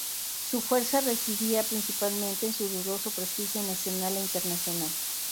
Su fuerza residía, principalmente, en su dudoso prestigio nacional e internacional.